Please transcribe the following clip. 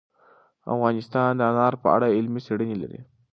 افغانستان د انار په اړه علمي څېړنې لري.